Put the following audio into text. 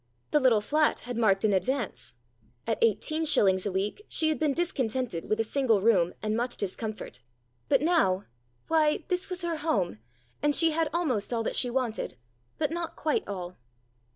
The little flat had marked an advance ; at eighteen shillings a week she had been discontented with a single room and much discomfort. But now THE DOLL 165 why, this was her home, and she had almost all that she wanted, but not quite all.